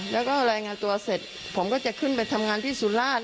แล้วก็รายงานตัวเสร็จผมก็จะขึ้นไปทำงานที่สุราช